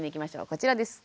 こちらです。